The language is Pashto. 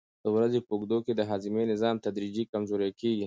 د ورځې په اوږدو کې د هاضمې نظام تدریجي کمزوری کېږي.